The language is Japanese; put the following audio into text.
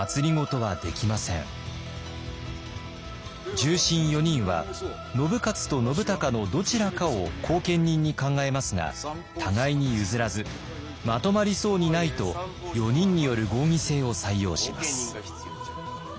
重臣４人は信雄と信孝のどちらかを後見人に考えますが互いに譲らずまとまりそうにないと４人による合議制を採用します。